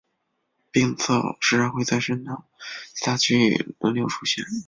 病灶时常会在身上其他区域轮流出现。